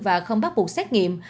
và không bắt buộc xét nghiệm